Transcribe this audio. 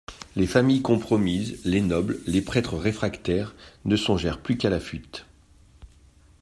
Les familles compromises, les nobles, les prêtres réfractaires, ne songèrent plus qu'à la fuite.